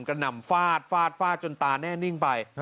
หนำฟาดฟาดฟาดจนตาแน่นิ่งไป